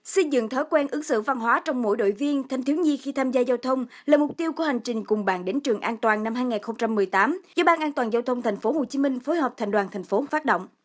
xây dựng thói quen ứng xử văn hóa trong mỗi đội viên thanh thiếu nhi khi tham gia giao thông là mục tiêu của hành trình cùng bàn đến trường an toàn năm hai nghìn một mươi tám do ban an toàn giao thông thành phố hồ chí minh phối hợp thành đoàn thành phố phát động